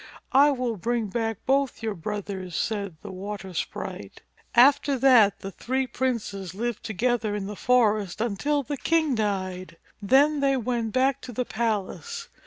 I will bring back both your brothers," said the water sprite. After that the three princes lived together in the forest until the king died. Then they went back to the palace.